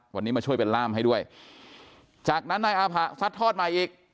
วันนี้มาช่วยเป็นล่ามให้ด้วยจากนั้นนายอาผะซัดทอดใหม่อีก